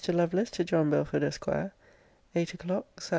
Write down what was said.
LOVELACE, TO JOHN BELFORD, ESQ. EIGHT O'CLOCK, SAT.